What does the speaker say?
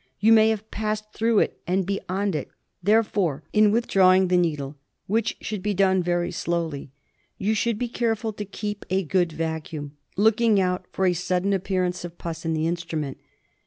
You may have passed through and beyond it. Therefore in withdrawing the needle, which should be done very slowly, you should be careful to keep a good vacuum, looking out for a sudden appearance of pus in the instrument.